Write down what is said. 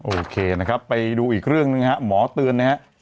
โอเคนะครับไปดูอีกเรื่องหนึ่งฮะหมอเตือนนะครับ